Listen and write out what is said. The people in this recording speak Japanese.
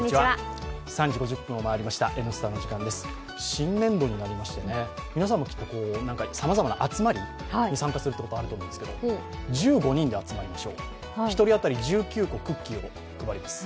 新年度になりまして皆さんもきっとさまざまな集まりに参加するということがあると思いますが１５人で集まりましょう、１人当たり１９個クッキーを配ります。